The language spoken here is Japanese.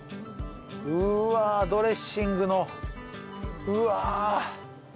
うわドレッシングのうわ。